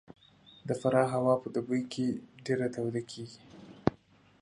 د فراه هوا په دوبي کې ډېره توده کېږي